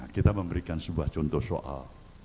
kita memberikan sebuah contoh soal